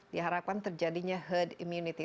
diharapkan terjadinya herd immunity